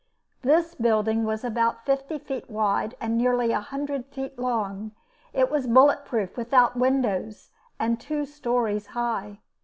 This building was about fifty feet wide and nearly a hundred feet long. It was bullet proof, without windows, and two stories high.